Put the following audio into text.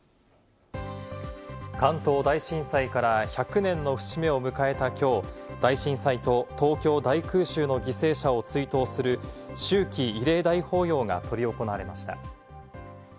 関東大震災から１００年の節目を迎えたきょう、大震災と東京大空襲の犠牲者を追悼する秋季慰霊大法要が執り行われました。